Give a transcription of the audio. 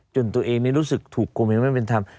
จนตัวเองรู้สึกถูกโกงยังไม่เป็นธรรม